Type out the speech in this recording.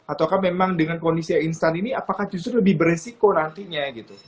ataukah memang dengan kondisi yang instan ini apakah justru lebih beresiko nantinya gitu